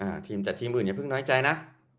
ทีมแต่ทีมอื่นอย่าเพิ่งน้อยใจนะ